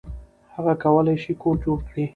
هغه کولی شي کور جوړ کړي.